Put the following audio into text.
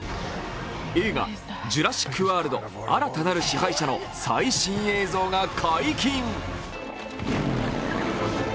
映画「ジュラシック・ワールド／新たなる支配者」の最新映像が解禁。